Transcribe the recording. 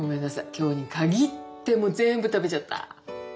今日に限ってもう全部食べちゃった。